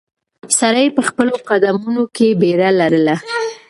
سړی په خپلو قدمونو کې بیړه لرله.